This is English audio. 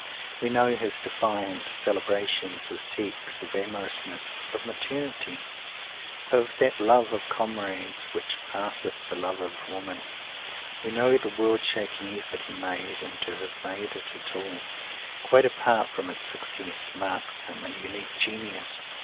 We know his defiant celebrations of Sex, of amorousness, of maternity; of that Love of Comrades which "passeth the love of women." We know the world shaking effort he made and to have made it at all, quite apart from its success, marks him a unique genius!